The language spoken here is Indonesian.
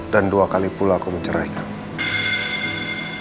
dan dua kali pula aku menceraikannya